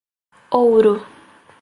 Ouro